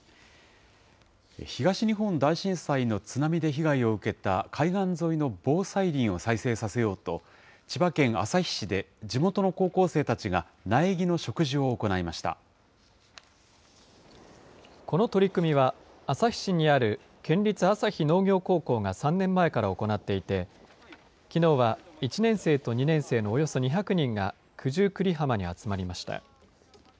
東日本大震災の津波で被害を受けた海岸沿いの防災林を再生させようと、千葉県旭市で、地元の高校生たちが苗木の植樹を行いまこの取り組みは、旭市にある県立旭農業高校が３年前から行っていて、きのうは１年生と２年生のおよそ２００人が、九十九里浜に集まりました。